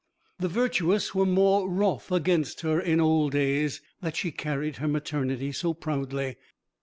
The virtuous were more wroth against her in old days that she carried her maternity so proudly.